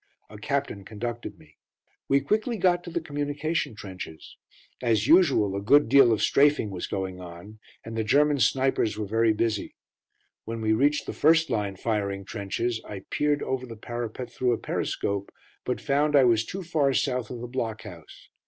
A captain conducted me. We quickly got to the communication trenches. As usual, a good deal of "strafing" was going on, and the German snipers were very busy. When we reached the first line firing trenches, I peered over the parapet through a periscope, but found I was too far south of the block house.